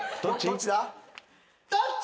どっちだ？